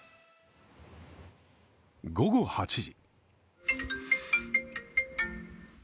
午後８時。